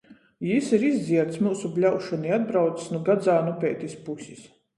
Jis ir izdzierds myusu bļaušonu i atbraucs nu Gadzānupeitis pusis.